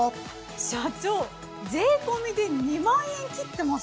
社長税込で２万円切ってます？